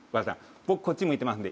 僕こっち向いてますんで。